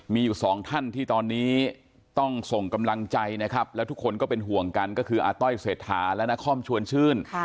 มีอยู่สองท่านที่ตอนนี้ต้องส่งกำลังใจนะครับแล้วทุกคนก็เป็นห่วงกันก็คืออาต้อยเศรษฐาและนครชวนชื่น